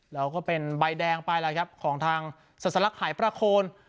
แล้วก็เป็นใบแดงไปแล้วครับของทางศาสลักหายประโคน